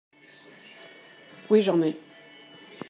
Oui. J'en ai.